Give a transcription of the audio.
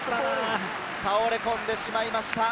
倒れ込んでしまいました。